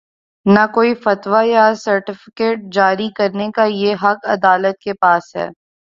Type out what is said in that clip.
نہ کوئی فتوی یا سرٹیفکیٹ جاری کر نے کا یہ حق عدالت کے پاس ہے۔